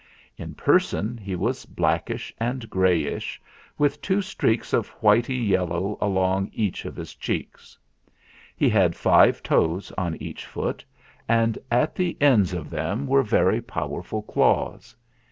In person he was blackish and greyish, with two streaks of whitey yellow along each of his cheeks. He had five toes on each foot, and at the ends of them were very powerful claws.